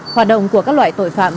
hoạt động của các loại tội phạm